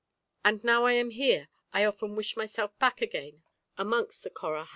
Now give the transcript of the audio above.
And now I am here, I often wish myself back again amongst the Corahai."